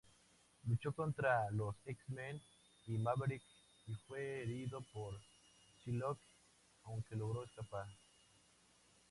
Luchó contra los X-Men y Maverick y fue herido por Psylocke, aunque logró escapar.